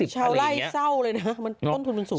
ชาวไล่เศร้าเลยนะมันต้นทุนมันสูง